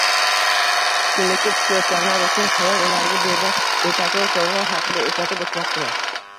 tushkunlikka tushayotganlar uchun hayot ularga bergan betakror sovg’a haqida eslatib o’tmoqchiman